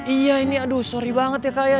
iya ini aduh sorry banget ya kak ya